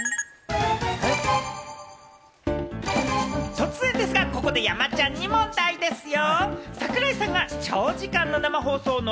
突然ですが、ここで山ちゃんに問題ですよ。